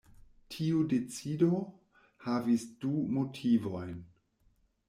Tiu decido havis du motivojn.